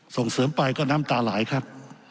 ส่งเสริมไปก็น้ำตาไหลครับ